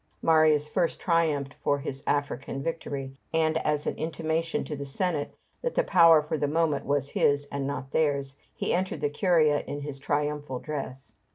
Marius first triumphed for his African victory, and, as an intimation to the Senate that the power for the moment was his and not theirs, he entered the Curia in his triumphal dress.